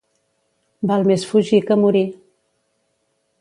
Val més fugir que morir.